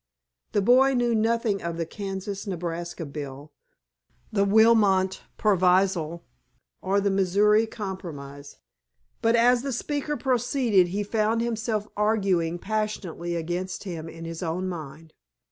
The boy knew nothing of the Kansas Nebraska Bill, the Wilmot Proviso, or the Missouri Compromise, but as the speaker proceeded he found himself arguing passionately against him in his own mind.